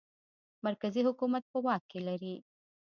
مرکزي حکومت په واک کې لري.